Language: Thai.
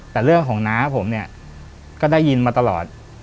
แต่เรื่องของน้าผมเนี่ยก็ได้ยินมาตลอด